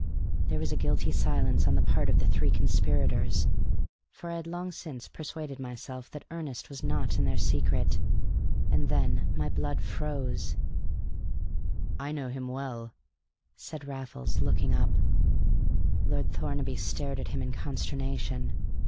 There was a guilty silence on the part of the three conspirators for I had long since persuaded myself that Ernest was not in their secret and then my blood froze. "I know him well," said Raffles, looking up. Lord Thornaby stared at him in consternation.